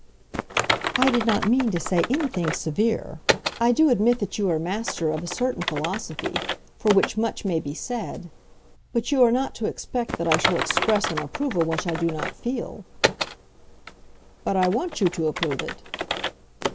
"I did not mean to say anything severe. I do admit that you are master of a certain philosophy, for which much may be said. But you are not to expect that I shall express an approval which I do not feel." "But I want you to approve it."